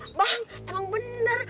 ah bang emang bener